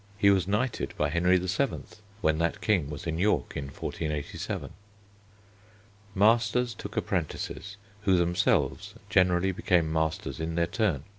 He was knighted by Henry VII. when that king was in York in 1487. Masters took apprentices, who themselves generally became masters in their turn.